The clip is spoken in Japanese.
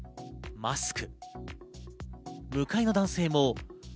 マスク。